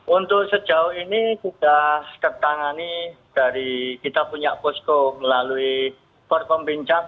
untuk sejauh ini sudah tertangani dari kita punya posko melalui forkompinjak